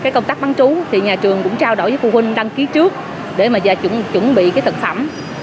công tác bán trú nhà trường cũng trao đổi với phụ huynh đăng ký trước để chuẩn bị thực phẩm